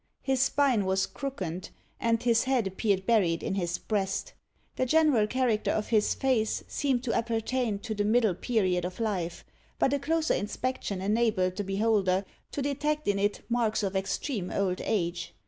His spine was crookened, and his head appeared buried in his breast. The general character of his face seemed to appertain to the middle period of life; but a closer inspection enabled the beholder to detect in it marks of extreme old age.